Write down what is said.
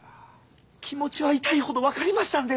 気持ちは痛いほど分かりましたんで。